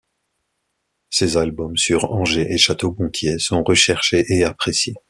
Ses albums sur Angers et Château-Gontier sont recherchés et apprécies.